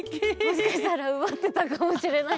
もしかしたらうばってたかもしれない。